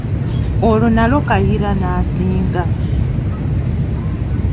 Olwo nalwo Kayiira n'asinga.